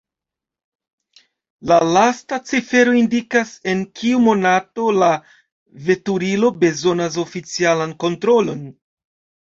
La lasta cifero indikas, en kiu monato la veturilo bezonas oficialan kontrolon.